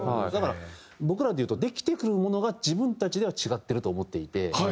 だから僕らでいうとできてくるものが自分たちでは違ってると思っていて。